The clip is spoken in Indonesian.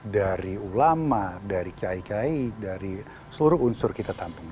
dari ulama dari kiai kiai dari seluruh unsur kita tampung